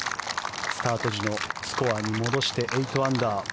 スタート時のスコアに戻して８アンダー。